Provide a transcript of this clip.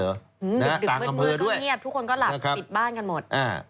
ดึกมืดก็เงียบทุกคนก็หลับปิดบ้านกันหมด